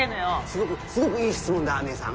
すごくすごくいい質問だ姉さん